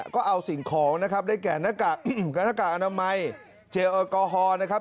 ก็เอาสิ่งของได้แก่นักการอำนามัยเจอร์กอฮอล์นะครับ